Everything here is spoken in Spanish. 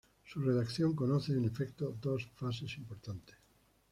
Su redacción conoce, en efecto, dos fases importantes.